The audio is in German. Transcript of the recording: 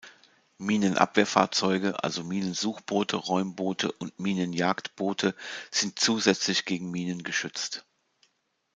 Minenabwehrfahrzeuge, also Minensuchboote, Räumboote und Minenjagdboote, sind zusätzlich gegen Minen geschützt.